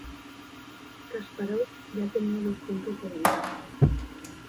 Kaspárov ya tenía dos puntos de ventaja.